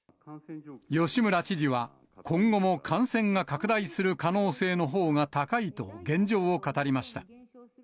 吉村知事は今後も感染が拡大する可能性のほうが高いと、現状を語りました。